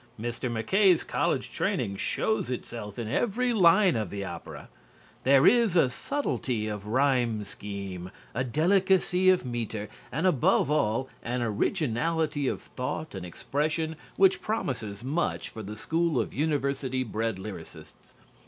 Mr. MacKaye's college training shows itself in every line of the opera. There is a subtlety of rhyme scheme, a delicacy of meter, and, above all, an originality of thought and expression which promises much for the school of university bred lyricists.